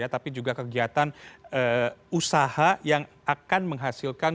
tapi juga kegiatan usaha yang akan menghasilkan